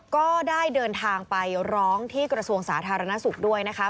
ก็ได้เดินทางไปร้องที่กระทรวงสาธารณสุขด้วยนะคะ